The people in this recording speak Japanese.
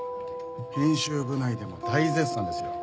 編集部内でも大絶賛ですよ。